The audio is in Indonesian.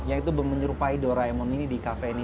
yaitu menyerupai doraemon ini di kafe ini